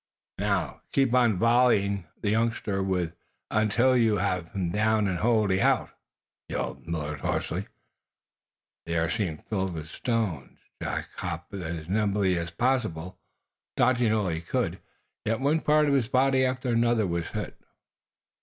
"Now, keep on volleying the youngster with until you have him down and wholly out!" yelled Millard, hoarsely. The air seemed filled with stones. Jack hopped about as nimbly as possible, dodging all he could. Yet one part of his body after another was hit.